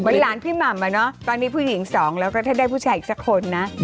หลานพี่หม่ำอะเนาะตอนนี้ผู้หญิงสองแล้วก็ถ้าได้ผู้ชายอีกสักคนนะ